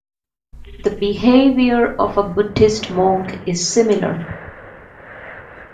The behavior of a Buddhist monk is similar.